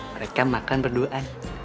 mereka makan berduaan